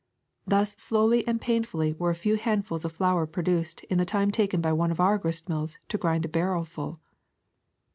Thus slowly and painfully were a few handfuls of flour produced in the time taken by one of our grist mills to grind a barrelful.''